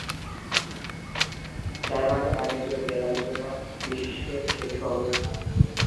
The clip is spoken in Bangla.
জার্মানি বাণিজ্য মেলার জন্য বিশ্বের শীর্ষ অবস্থান।